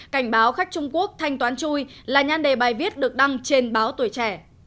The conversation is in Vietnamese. cảnh báo khách trung quốc thanh toán chui là nhan đề bài viết được đăng trên báo tuổi trẻ